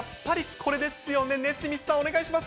これですね。